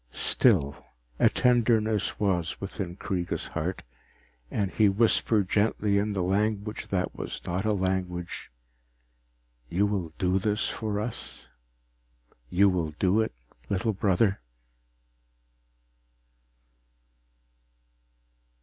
Still, a tenderness was within Kreega's heart, and he whispered gently in the language that was not a language, _You will do this for us? You will do it, little brother?